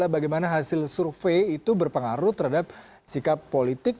bagaimana hasil survei itu berpengaruh terhadap sikap politik